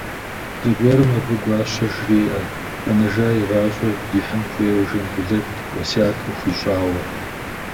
Зэгуэрым абы Гуащэ жреӏэ, къэнэжа и гъащӏэр дихьын хуейуэ Жамбулэт уэсят къыхуищӏауэ.